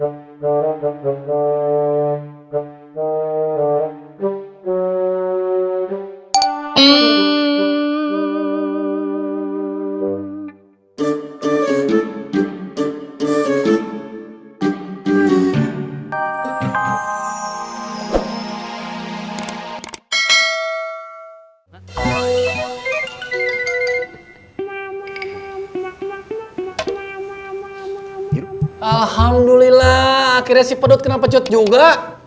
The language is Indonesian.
akhirnya si pedut kenal pecut juga